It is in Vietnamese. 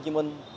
cung cấp điện